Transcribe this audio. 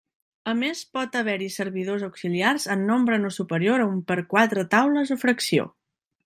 A més pot haver-hi servidors auxiliars en nombre no superior a un per quatre taules o fracció.